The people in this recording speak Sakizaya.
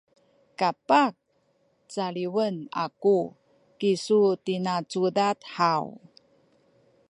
kapah caliwen aku kisu tina cudad haw?